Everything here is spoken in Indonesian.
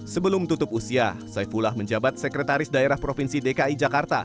sebelum tutup usia saifullah menjabat sekretaris daerah provinsi dki jakarta